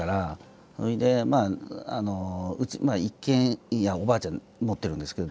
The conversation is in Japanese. それであの一軒家おばあちゃん持ってるんですけど。